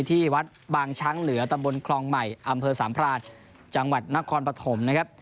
ที่วัดบางช้างเหลือตำบลคลองใหม่อำเภอสามพรานจังหวัดนครปฐมนะครับ